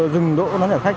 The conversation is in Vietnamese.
khi dừng đội bán hàng khách